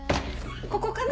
ここかな？